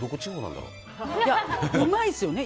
うまいですよね。